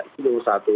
ini yang satu